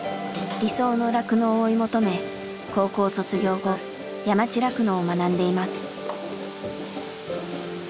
理想の酪農を追い求め高校卒業後山地酪農を学んでいます。